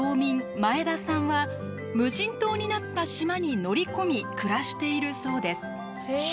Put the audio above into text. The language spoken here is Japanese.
「前田さん」は無人島になった島に乗り込み暮らしているそうです。